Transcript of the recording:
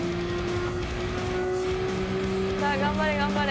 さあ頑張れ頑張れ。